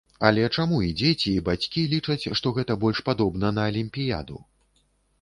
Але чаму і дзеці, і бацькі лічаць, што гэта больш падобна на алімпіяду?